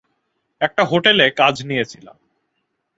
একটা হোটেলে কাজ নিয়েছিলাম।